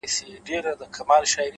عاجزي د شخصیت ښکلی عطر دی؛